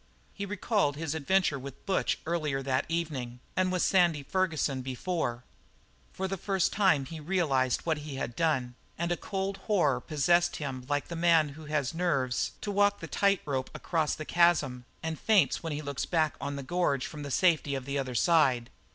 He recalled his adventure with Butch earlier that evening and with Sandy Ferguson before; for the first time he realized what he had done and a cold horror possessed him like the man who has nerves to walk the tight rope across the chasm and faints when he looks back on the gorge from the safety of the other side.